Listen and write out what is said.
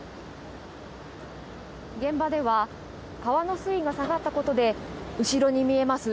現場では川の水位が下がったことで後ろに見えます